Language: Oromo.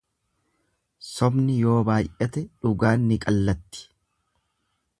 Sobni yoo baay'ate dhugaan ni qallatti.